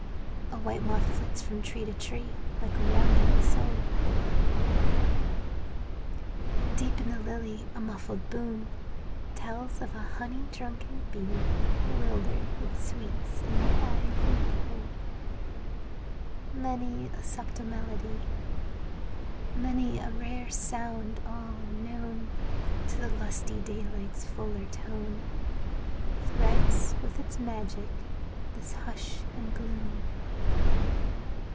A white moth flits from tree to tree Like a wandering soul; Deep in the lily a muffled boom Tells of a honey drunken bee Wildered with sweets in that ivory bowl; Many a subtle melody, Many a rare sound all unknown To the lusty daylight's fuller tone Threads with its magic this hush and gloom.